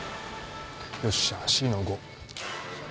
よっしゃ、Ｃの５。